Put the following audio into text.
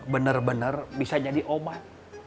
bener bener bisa jadi obat